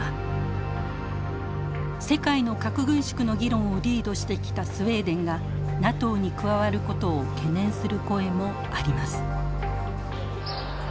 世界の核軍縮の議論をリードしてきたスウェーデンがＮＡＴＯに加わることを懸念する声もあります。